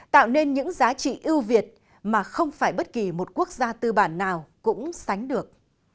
tạo nên những giá trị ưu việt mà không phải bất kỳ một quốc gia tư bản nào cũng sánh được